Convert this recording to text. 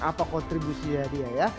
apa kontribusinya dia ya